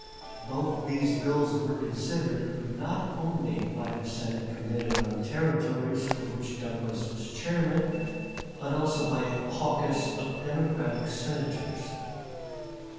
Both these bills were considered not only by the Senate Committee on Territories, of which Douglas was chairman, but also by a caucus of Democratic Senators.